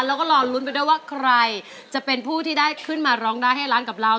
แล้วก็รอลุ้นไปด้วยว่าใครจะเป็นผู้ที่ได้ขึ้นมาร้องได้ให้ร้านกับเรา